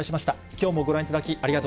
きょうもご覧いただき、ありがと